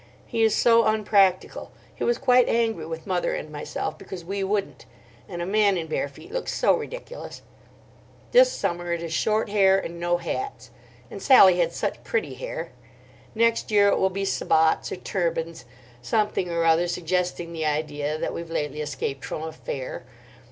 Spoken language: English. He is so unpractical. He was quite angry with mother and myself because we wouldn't. And a man in bare feet looks so ridiculous. This summer it is short hair and no hats; and Sally had such pretty hair. Next year it will be sabots or turbans—something or other suggesting the idea that we've lately escaped from a fair.